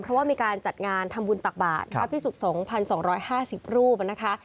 เพราะว่ามีการจัดงานทำบุญตักบาทพระพิสุขสงฆ์๑๒๕๐รูปนะคะ